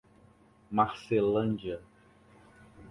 Marcelândia